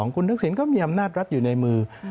คุณทักษิณก็มีอำนาจรัฐอยู่ในมือ